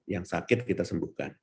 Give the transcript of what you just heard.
yang sakit kita sembuhkan